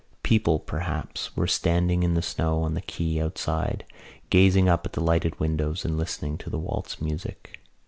People, perhaps, were standing in the snow on the quay outside, gazing up at the lighted windows and listening to the waltz music.